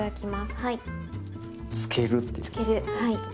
漬けるっていう。